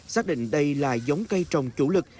xác định đây là giống cây trồng chủ lực